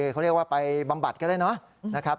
เขาเรียกว่าไปบำบัดก็ได้เนาะนะครับ